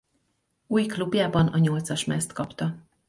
Új klubjában a nyolcas mezt kapta.